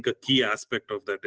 saya pikir aspek utama adalah